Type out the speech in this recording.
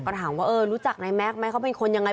ก็ถามว่าเออรู้จักนายแม็กซ์ไหมเขาเป็นคนยังไง